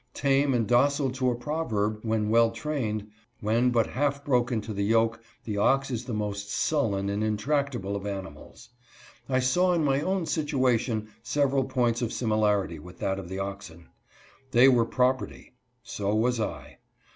Tame and docile to a proverb, when well trained, when but half broken to the yoke, the ox is the most sullen and intractable of animals. I saw in my own situation several points of similarity with that of the oxen. They were property; so was I.